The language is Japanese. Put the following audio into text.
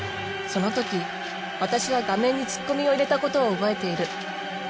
そのとき私は画面にツッコミを入れたことを覚えている。